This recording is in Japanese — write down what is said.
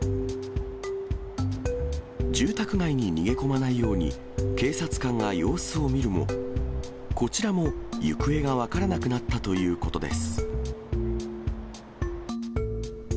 住宅街に逃げ込まないように警察官が様子を見るも、こちらも行方が分からなくなったということです。